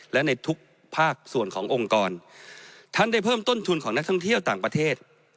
และในทุกภาคส่วนขององค์กรท่านได้เพิ่มต้นทุนของนักท่องเที่ยวต่างประเทศ